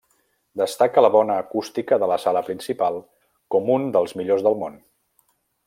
Destaca la bona acústica de la sala principal com un dels millors del món.